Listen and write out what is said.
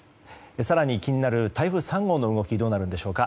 更に、気になる台風３号の動きどうなるんでしょうか。